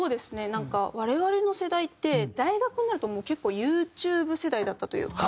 なんか我々の世代って大学になるともう結構ユーチューブ世代だったというか。